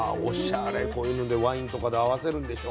こういうのでワインとかと合わせるんでしょ？